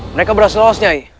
mereka berhasil loas nyai